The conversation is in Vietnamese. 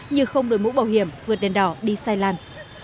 như không đổi mũ bảo hiểm vượt đèn đỏ đi sai làn